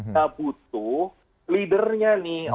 kita butuh leadernya nih